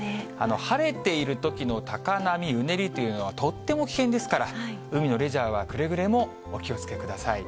晴れているときの高波、うねりというのは、とっても危険ですから、海のレジャーは、くれぐれもお気をつけください。